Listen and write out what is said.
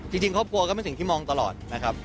จริงครอบครัวก็เป็นสิ่งที่มองตลอดนะครับ